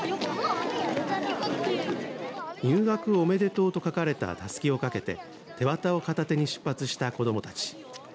入学おめでとうと書かれたたすきをかけて手旗を片手に出発した子どもたち。